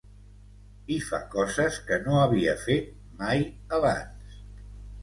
I fa coses que no havia fet mai abans.